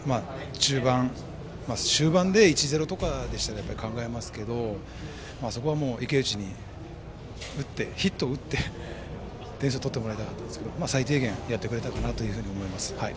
中盤、終盤で１−０とかなら考えますけどそこはもう池内にヒットを打って点数を取ってもらいたかったんですけど最低限やってくれたかなと思います。